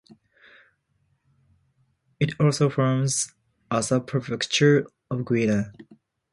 It also forms a Sub-prefecture of Guinea.